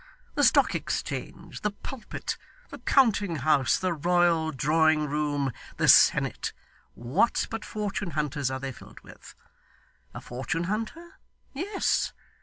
The stock exchange, the pulpit, the counting house, the royal drawing room, the senate, what but fortune hunters are they filled with? A fortune hunter! Yes.